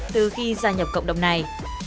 từ khi gia nhập cộng đồng này